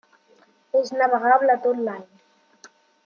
És navegable tot l'any.